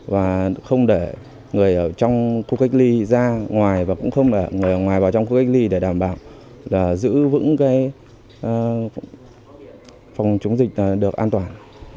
và không để người ở trong khu cách ly ra ngoài và cũng không ở ngoài vào trong khu cách ly để đảm bảo là giữ vững phòng chống dịch được an toàn